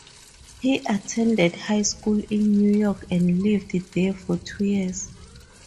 He attended high school in New York and lived there for two years.